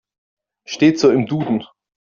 Steht so im Duden.